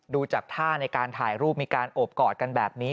ดูจากท่าในการถ่ายรูปมีการโอบกอดกันแบบนี้